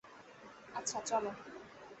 আচ্ছা, চলো।